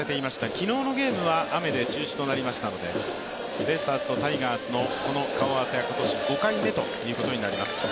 昨日のゲームは雨で中止となりましたのでベイスターズとタイガースのこの顔合わせは今年５回目ということになります。